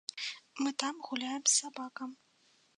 Мы там гуляем з сабакам.